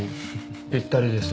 ぴったりです。